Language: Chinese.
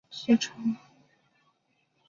藩厅是尼崎城。